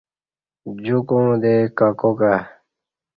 ـجکوع دے ککاکہ